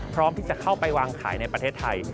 พร้อมที่จะเข้าไปวางขายในประเทศไทย